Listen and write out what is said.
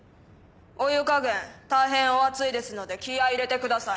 お湯加減大変お熱いですので気合入れてください。